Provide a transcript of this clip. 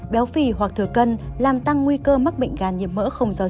béo phỉ hoặc thừa cân làm tăng nguy cơ mắc bệnh gan nhiệm mỡ không do rượu